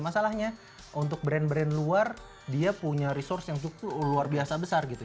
masalahnya untuk brand brand luar dia punya resource yang cukup luar biasa besar gitu